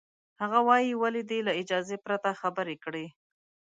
هغه وایي، ولې دې له اجازې پرته خبرې کړې؟